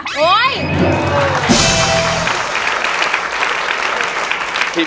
มากเลยค่ะโอ๊ย